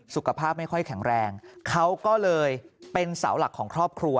สุขภาพไม่ค่อยแข็งแรงเขาก็เลยเป็นเสาหลักของครอบครัว